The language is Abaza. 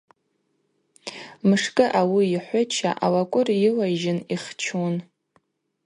Мшкӏы ауи йхӏвыча алакӏвыр йылайжьын йхчун.